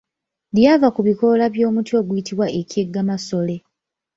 Lyava ku bikoola bya muti oguyitibwa ekyeggamasole.